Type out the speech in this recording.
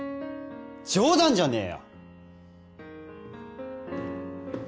冗談じゃねえよ！